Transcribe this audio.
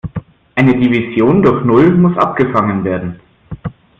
Eine Division durch Null muss abgefangen werden.